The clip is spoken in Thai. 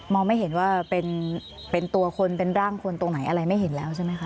ไม่เห็นว่าเป็นตัวคนเป็นร่างคนตรงไหนอะไรไม่เห็นแล้วใช่ไหมคะ